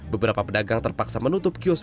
beberapa pedagang terpaksa menutup kios